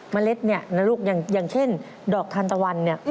เม็ดนี่นะลูกอย่างเช่นดอกทานตะวัน